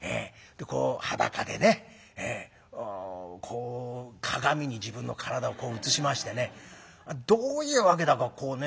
裸でねこう鏡に自分の体を映しましてねどういう訳だかこうね